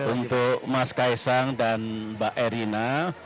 untuk mas kaisang dan mbak erina